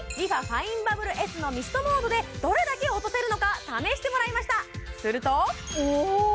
ファインバブルＳのミストモードでどれだけ落とせるのか試してもらいましたするとおーっ！